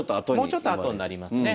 もうちょっと後になりますね。